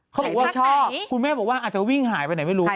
เขาบอกว่าชอบคุณแม่บอกว่าอาจจะวิ่งหายไปไหนไม่รู้